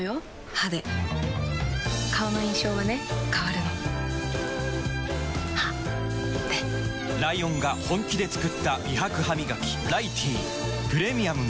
歯で顔の印象はね変わるの歯でライオンが本気で作った美白ハミガキ「ライティー」プレミアムも